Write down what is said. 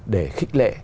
để khích lệ